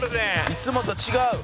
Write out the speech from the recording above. いつもと違う！